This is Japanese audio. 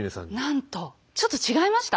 なんとちょっと違いました？